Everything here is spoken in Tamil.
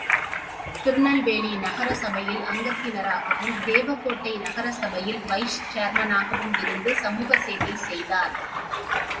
திருநெல்வேலி நகரசபையில் அங்கத்தினராகவும், தேவ கோட்டை நகர சபையில் வைஸ்சேர்மனகவும் இருந்து சமூக சேவை செய்தார்.